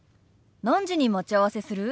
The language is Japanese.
何時に待ち合わせする？